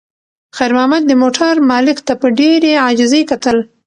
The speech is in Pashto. خیر محمد د موټر مالک ته په ډېرې عاجزۍ کتل.